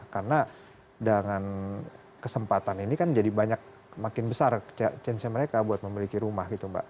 karena dengan kesempatan ini kan jadi banyak makin besar chance nya mereka buat membeli rumah gitu mbak